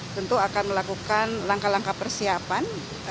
tentu akan melakukan langkah langkah persiapan